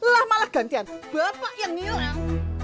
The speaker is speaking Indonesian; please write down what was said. lah malah gantian bapak yang hilang